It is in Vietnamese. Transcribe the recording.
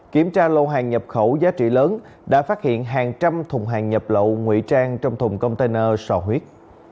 kiểm tra lô hàng nhập khẩu giá trị lớn đã phát hiện hàng trăm thùng hàng nhập lậu ngụy trang trong thùng container sò huyết